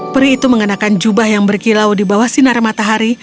peri itu mengenakan jubah yang berkilau di bawah sinar matahari